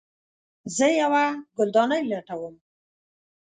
زه یوه ګلدانۍ لټوم